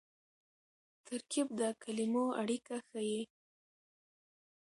ترکیب د کلیمو اړیکه ښيي.